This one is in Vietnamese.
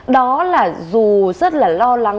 đó là dù rất là lo lắng